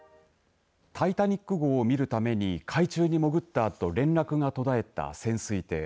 タイタニック号を見るために海中に潜ったあと連絡が途絶えた潜水艇。